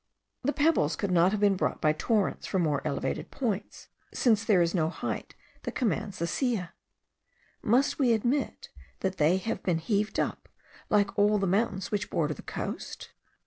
The pebbles could not have been brought by torrents from more elevated points, since there is no height that commands the Silla. Must we admit that they have been heaved up, like all the mountains which border the coast.